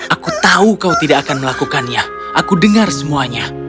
aku tahu kau tidak akan melakukannya aku dengar semuanya